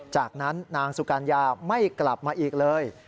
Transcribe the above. จากนั้นนางสุกัญญาไม่กลับมาอีกเลย